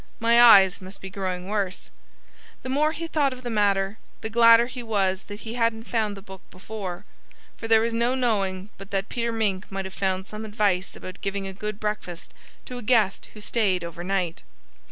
My eyes must be growing worse." The more he thought of the matter, the gladder he was that he hadn't found the book before. For there was no knowing but that Peter Mink might have found some advice about giving a good breakfast to a guest who stayed over night.